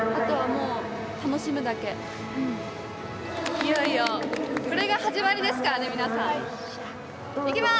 いよいよこれが始まりですからね皆さん。いきます！